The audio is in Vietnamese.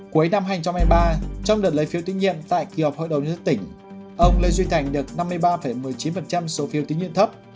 cuối năm hai nghìn hai mươi ba trong đợt lấy phiếu tín nhiệm tại kỳ họp hội đồng nhân tỉnh ông lê duy thành được năm mươi ba một mươi chín số phiếu tín nhiệm thấp